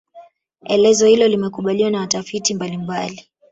Elezo hili limekubaliwa na watafiti mbalimbali